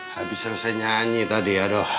habis selesai nyanyi tadi adoh